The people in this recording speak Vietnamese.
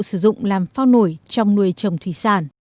sử dụng làm phao nổi trong nuôi trồng thủy sản